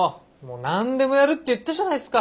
何でもやるって言ったじゃないすか。